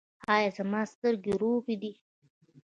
ایا زما سترګې روغې دي؟